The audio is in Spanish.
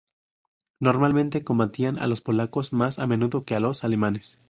Normalmente, combatían a los polacos más a menudo que a los alemanes.